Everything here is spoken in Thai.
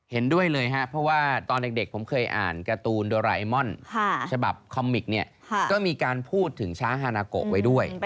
เห็นด้วยเลยครับเพราะว่าตอนเด็กผมเคยอ่านการ์ตูนโดราไอมอนฉบับคอมมิกเนี่ยก็มีการพูดถึงช้างฮานาโกะไว้ด้วย